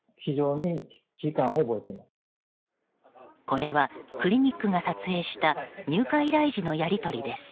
これは、クリニックが撮影した入荷依頼時のやり取りです。